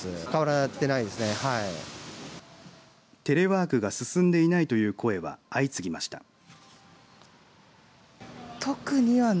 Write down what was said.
テレワークが進んでいないという声は相次ぎました。